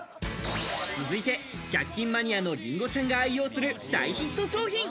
続いて１００均マニアのりんごちゃんが愛用する大ヒット商品。